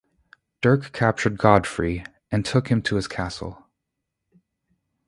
Dirk captured Godfrey, and took him to his castle.